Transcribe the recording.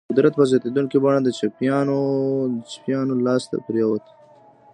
قدرت په زیاتېدونکي بڼه د چپیانو لاس ته پرېوت.